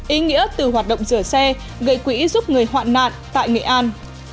ý nghĩa từ hoạt động rửa xe gây quỹ giúp người hoạn nạn tại nghệ an